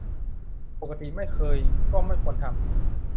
ปกติไม่เคย ก็ไม่ควรทำ